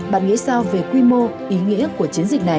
bạn nghĩ sao về quy mô ý nghĩa của chiến dịch này